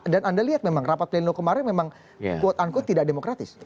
dan anda lihat memang rapat pleno kemarin memang quote unquote tidak demokratis